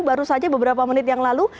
baru saja beberapa menit yang lalu